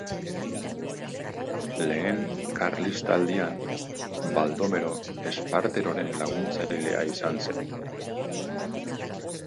Lehen Karlistaldian, Baldomero Esparteroren laguntzailea izan zen.